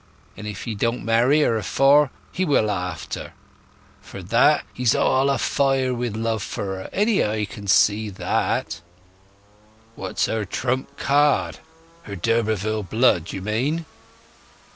And if he don't marry her afore he will after. For that he's all afire wi' love for her any eye can see." "What's her trump card? Her d'Urberville blood, you mean?"